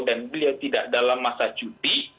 dan beliau tidak dalam masa cuti